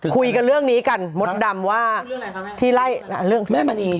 คุยกันเรื่องนี้กันมดดำว่าเรื่องอะไรครับแม่ที่ไล่เรื่องแม่มะนี